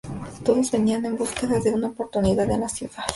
Todos venían en búsqueda de una oportunidad en la ciudad.